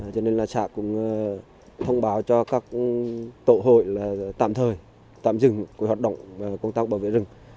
cho nên là xã cũng thông báo cho các tổ hội là tạm thời tạm dừng cái hoạt động công tác bảo vệ rừng